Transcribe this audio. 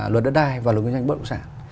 luật đất đai và luật kinh doanh bất động sản